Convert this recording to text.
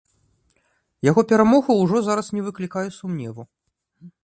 Яго перамога ўжо зараз не выклікае сумневу.